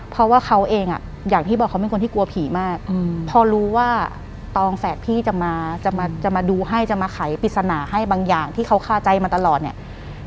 เพราะว่าเขาเองอ่ะอย่างที่บอกเขาเป็นคนที่กลัวผีมากพอรู้ว่าตองแฝดพี่จะมาจะมาจะมาดูให้จะมาไขปริศนาให้บางอย่างที่เขาคาใจมาตลอดเนี่ย